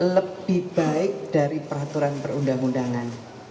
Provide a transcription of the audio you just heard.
lebih baik dari peraturan perundang undangan